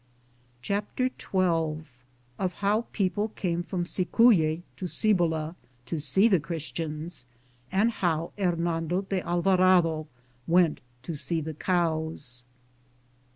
CHAPTER XU Of how people came from Cleave to Cibola to se» the Christians, and how Hernando de Alv&radoweat to see the cows.